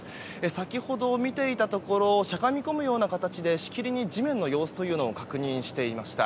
先ほど、見ていたところしゃがみ込むような形でしきりに地面の様子というのを確認していました。